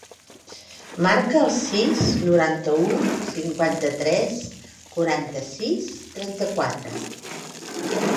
Marca el sis, noranta-u, cinquanta-tres, quaranta-sis, trenta-quatre.